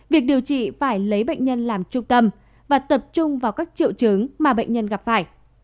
việc điều trị phải lấy bệnh nhân làm trung tâm và tập trung vào các triệu chứng mà bệnh nhân gặp phải